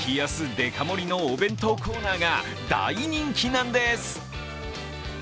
デカ盛りのお弁当コーナーが大人気なんです。